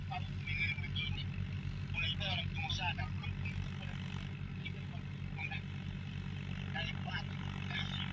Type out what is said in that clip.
Rais Samia amesema kuwa katika kipindi chake cha uongozi atahakikisha anaimarisha chama cha Skauti